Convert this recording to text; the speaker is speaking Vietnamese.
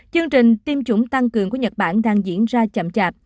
chương trình tiêm chủng tăng cường của nhật bản đang diễn ra chậm chạp